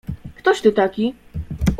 "Ktoś ty taki?"